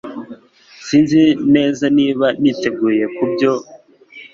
Sinzi neza niba niteguye kubyo